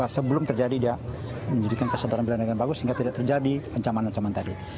sebelum terjadi dia menjadikan kesadaran belanda dengan bagus sehingga tidak terjadi ancaman ancaman tadi